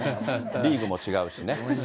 リーグも違うしね。